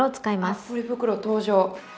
あポリ袋登場。